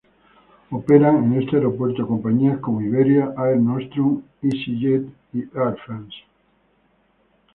Operan en este aeropuerto compañías como Iberia, Air Nostrum, easyJet o Air France.